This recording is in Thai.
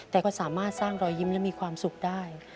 แต่ก็สามารถสร้างรอยยิ้มและมีความสุขได้